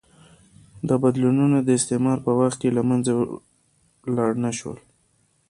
دا بدلونونه د استعمار په وخت کې له منځه لاړ نه شول.